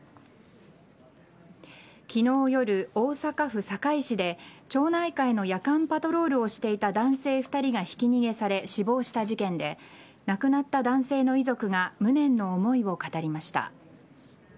昨日夜、大阪府堺市で町内会の夜間パトロールをしていた男性２人がひき逃げされ死亡した事件で亡くなった男性の遺族が無念の思いを語りました。